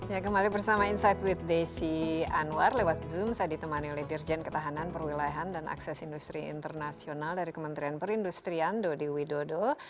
ya kembali bersama insight with desi anwar lewat zoom saya ditemani oleh dirjen ketahanan perwilayahan dan akses industri internasional dari kementerian perindustrian dodi widodo